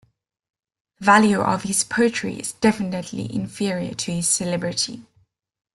The value of his poetry is definitely inferior to his celebrity.